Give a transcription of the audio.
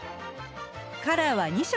カラーは２色